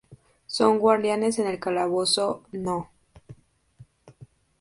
Son guardianes en el calabozo No.